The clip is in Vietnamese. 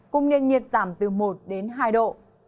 cùng nền nhiệt giảm từ một đến hai độ